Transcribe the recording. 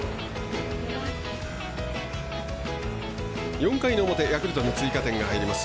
４回の表ヤクルトに追加点が入ります。